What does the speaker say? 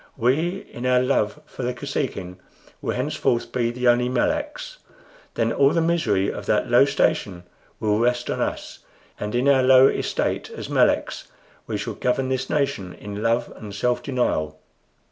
We, in our love for the Kosekin, will henceforth be the only Meleks. Then all the misery of that low station will rest on us; and in our low estate as Meleks we shall govern this nation in love and self denial.